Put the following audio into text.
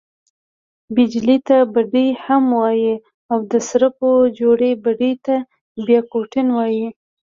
بیجلي ته بډۍ هم وايي او، د سرپو جوړي بډۍ ته بیا کوټین وايي.